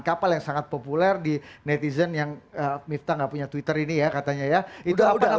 kapal yang sangat populer di netizen yang mifta nggak punya twitter ini ya katanya ya itu apa